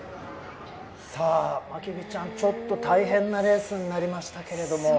真備ちゃん、ちょっと大変なレースになりましたけれども。